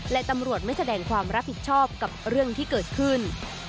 และตำรวจไม่แสดงความรับผิดชอบกับเรื่องที่เกิดขึ้น